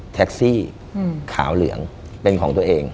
แท็กซี่ขาวเหลืองเป็นของตัวเอง